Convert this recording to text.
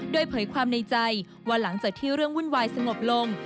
โดยเผยความในใจว่าหลังจากที่เรื่องวุ่นวายสงบลง